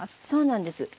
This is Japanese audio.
そうなんです。